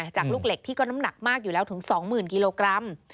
จากลูกเหล็กที่ก็น้ำหนักมากอยู่แล้วถึง๒๐๐๐กิโลกรัม